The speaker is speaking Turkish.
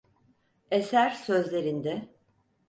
Eser sözlerinde…